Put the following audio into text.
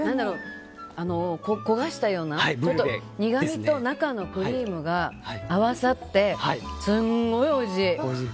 焦がしたような苦みと中のクリームが合わさって、すごいおいしい。